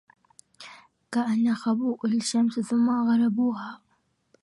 كأن خبوء الشمس ثم غروبها